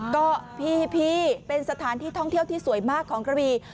ก็พี่เป็นสถานที่ท่องเที่ยวที่สวยมากของกระบี